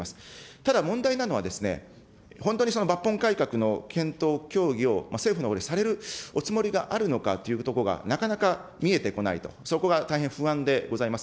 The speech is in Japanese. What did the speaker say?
ただ、問題なのは、本当にその抜本改革の検討、協議を、政府のほうでされるおつもりがあるのかというところが、なかなか見えてこないと、そこが大変不安でございます。